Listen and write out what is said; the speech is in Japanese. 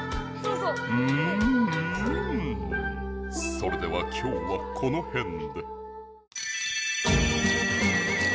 それでは今日はこのへんで。